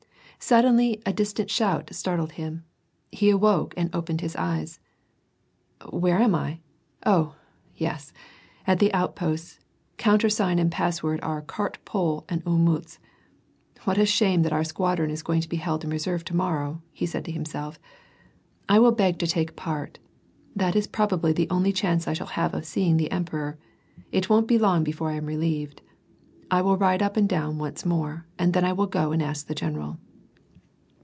Suddenly, a distant shout startled him. He awoke and opened his eyes. " Where^ju I ? Oh, ves, at the outposts. Countersign and pass word are ' cart pole ' and * Olmiitz.' What a shame that our squadron is going to be held in reserve to morrow," he said to himself. "I will beg to take part, ^That is probably the only chance I shall have of seeing the emperor. It won't be long before I am relieved. I will ride up and down once more, and then I will go and ask the general."